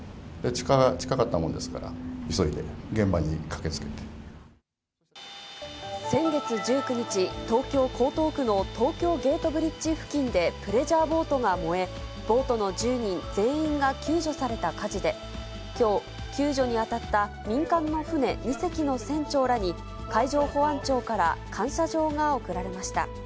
近かったもんですから、急いで現先月１９日、東京・江東区の東京ゲートブリッジ付近でプレジャーボートが燃え、ボートの１０人全員が救助された火事で、きょう、救助に当たった民間の船２隻の船長らに、海上保安庁から感謝状が贈られました。